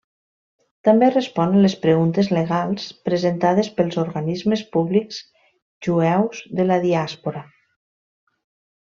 També respon a les preguntes legals presentades pels organismes públics jueus de la Diàspora.